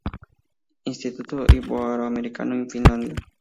Instituto Iberoamericano de Finlandia.